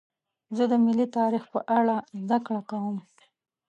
زه د ملي تاریخ په اړه زدهکړه کوم.